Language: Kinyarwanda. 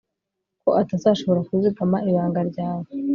kuko atazashobora kuzigama ibanga ryawe